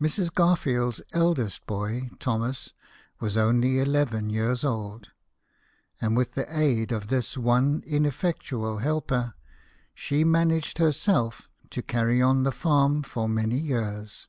Mrs. Garfield's eldest boy, Thomas, was only eleven years old ; and with the aid of this one inef fectual helper, she managed herself to carry on the farm for many years.